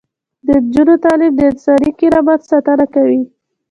د نجونو تعلیم د انساني کرامت ساتنه کوي.